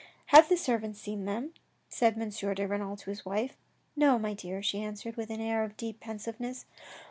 " Have the servants seen him ?" said M. de Renal to his wife. " No, my dear," she answered, with an air of deep pensiveness.